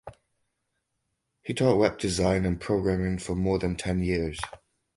He taught Web design and programming for more than ten years.